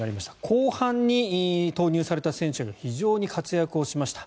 後半に投入された選手が非常に活躍しました。